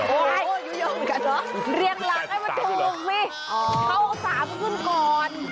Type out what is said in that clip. โอ้ยยกเหยียวเหมือนกันเหรอเรียงหลังให้มันถูกสิเข้า๓๐ก่อน